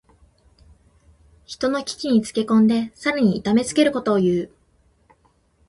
人の危難につけ込んでさらに痛めつけることをいう。